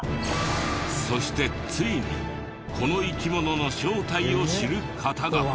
そしてついにこの生き物の正体を知る方が。